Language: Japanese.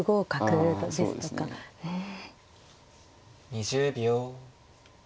２０秒。